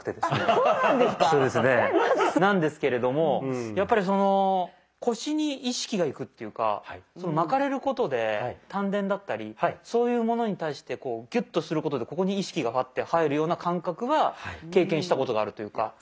そうなんですか⁉なんですけれどもやっぱりその腰に意識がいくっていうか巻かれることで丹田だったりそういうものに対してこうギュッとすることでここに意識がパッて入るような感覚は経験したことがあるというか。